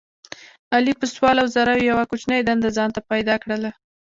علي په سوال او زاریو یوه کوچنۍ دنده ځان ته پیدا کړله.